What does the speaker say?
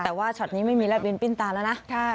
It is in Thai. แต่ว่าช็อตนี้ไม่มีลาบวินปิ้นตาแล้วนะ